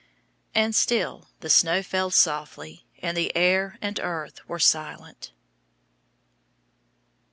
And still the snow fell softly, and the air and earth were silent.